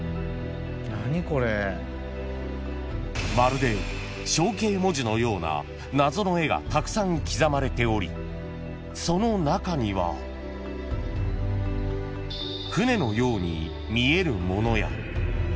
［まるで象形文字のような謎の絵がたくさん刻まれておりその中には］［船のように見えるものや］